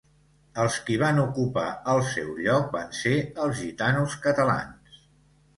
Els qui van ocupar el seu lloc van ser els gitanos catalans.